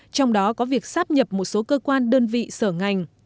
trong đó có việc sắp nhập một số cơ quan đơn vị sở ngành